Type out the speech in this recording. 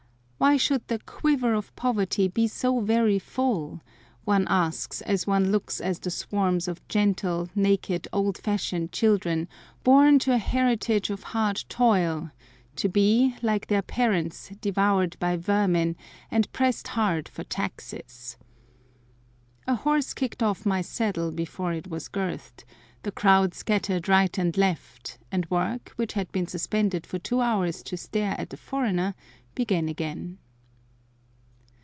Why should the "quiver" of poverty be so very full? one asks as one looks at the swarms of gentle, naked, old fashioned children, born to a heritage of hard toil, to be, like their parents, devoured by vermin, and pressed hard for taxes. A horse kicked off my saddle before it was girthed, the crowd scattered right and left, and work, which had been suspended for two hours to stare at the foreigner, began again.